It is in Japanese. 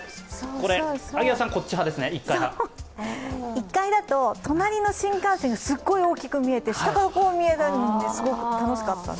１階だと隣の新幹線がすっごい大きく見えて下から見えるんですごく楽しかったです。